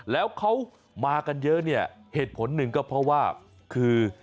แล้วเขามากันเยอะเนี่ยเหตุผลหนึ่งก็เพราะว่าคือ